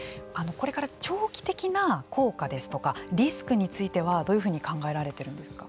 これから長期的な効果ですとかリスクについてはどういうふうに考えられているんですか。